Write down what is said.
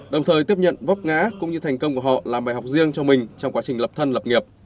đồng thời tiếp nhận vóc ngã cũng như thành công của họ làm bài học riêng cho mình trong quá trình lập thân lập nghiệp